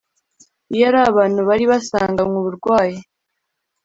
Iyo ari abantu bari basanganywe uburwayi